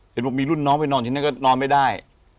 เห็นบอกมีรุ่นน้องไปนอนที่นั่นก็นอนไม่ได้